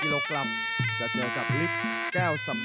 และแพ้๒๐ไฟ